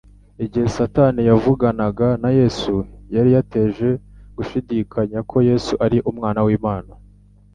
Igihe Satani yavuganaga na Yesu yari yateje gushidikanya ko Yesu ari Umwana w'Imana.